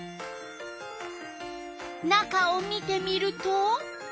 中を見てみると。